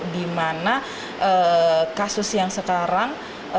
di mana kasus yang sekarang